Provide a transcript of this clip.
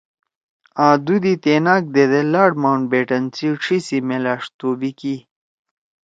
آں دُو دی تیناک دیدے لارڈ ماؤنٹ بیٹن سی ڇھی سی میلأݜ توبی کی